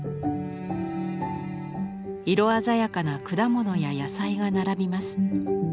色鮮やかな果物や野菜が並びます。